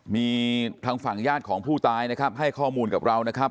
มีทางฝั่งญาติของผู้ตายนะครับให้ข้อมูลกับเรานะครับ